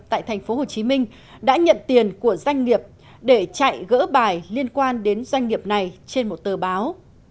tại tp hcm đã nhận tiền của doanh nghiệp để chạy gỡ bài liên quan đến doanh nghiệp này trên một tờ báo